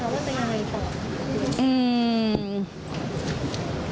ว่าจะอย่างไรต่อ